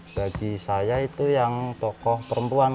bagi saya itu yang tokoh perempuan